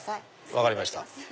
分かりました。